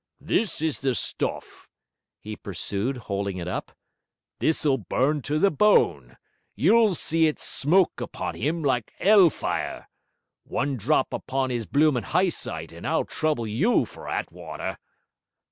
'This is the stuff!' he pursued, holding it up. 'This'll burn to the bone; you'll see it smoke upon 'im like 'ell fire! One drop upon 'is bloomin' heyesight, and I'll trouble you for Attwater!'